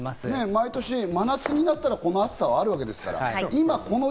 毎年、真夏日になったら、この暑さはありますから。